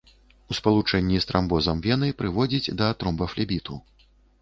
У спалучэнні з трамбозам вены прыводзіць да тромбафлебіту.